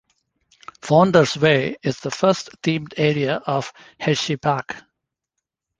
Founder's Way is the first themed area of Hersheypark.